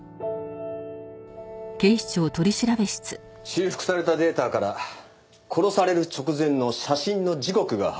修復されたデータから殺される直前の写真の時刻が判明しました。